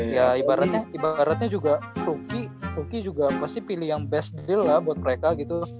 ya ibaratnya ibaratnya juga pasti pilih yang best deal lah buat mereka gitu